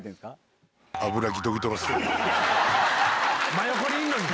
真横にいるのに！